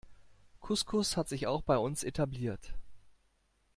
Couscous hat sich auch bei uns etabliert.